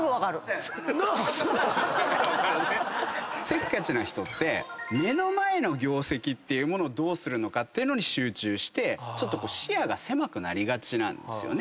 せっかちな人って目の前の業績っていうものをどうするのかというのに集中して視野が狭くなりがちなんですね。